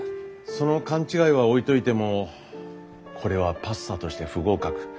その勘違いは置いといてもこれはパスタとして不合格。